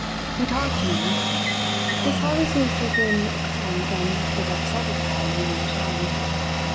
He talked to me. His father seems to have been a crank, and to have upset his head when he was young.